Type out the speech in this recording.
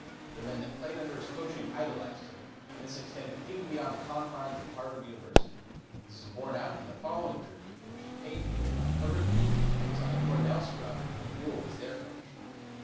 The men that played under his coaching idolized him, and this extended even beyond the confines of Harvard University. This is borne out in the following tribute which is paid Newell by Herbert Reed, that was on the Cornell scrub when Newell was their coach.